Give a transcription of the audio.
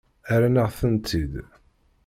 Rran-aɣ-tent-id.